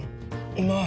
うまい！